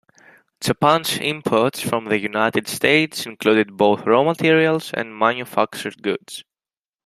Japan's imports from the United States included both raw materials and manufactured goods.